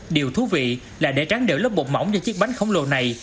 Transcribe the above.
điều thú vị là để tráng đều lớp bột mỏng cho chiếc bánh khổng lồ này